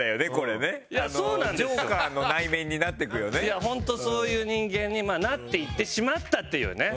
いや本当そういう人間になっていってしまったというね。